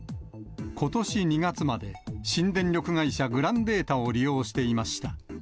ことし２月まで、新電力会社、グランデータを利用していました。